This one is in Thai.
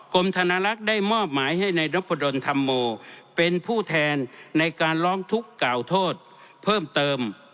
ธนลักษณ์ได้มอบหมายให้นายนพดลธรรมโมเป็นผู้แทนในการร้องทุกข์กล่าวโทษเพิ่มเติม